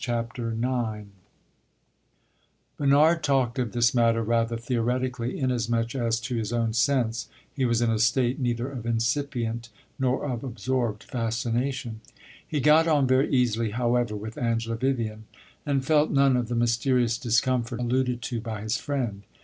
CHAPTER IX Bernard talked of this matter rather theoretically, inasmuch as to his own sense, he was in a state neither of incipient nor of absorbed fascination. He got on very easily, however, with Angela Vivian, and felt none of the mysterious discomfort alluded to by his friend.